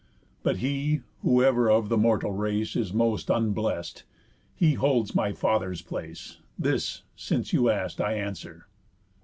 But he whoever of the mortal race Is most unblest, he holds my father's place. This, since you ask, I answer."